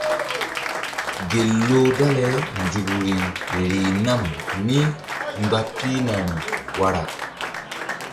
Gel loh dale nzukri rih nam mí mgba pihnari wara.